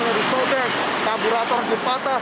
ada yang kamburator dipatas